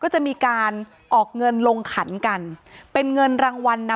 อ๋อเจ้าสีสุข่าวของสิ้นพอได้ด้วย